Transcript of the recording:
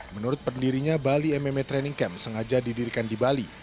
menurut pendirinya bali mma training camp sengaja didirikan di bali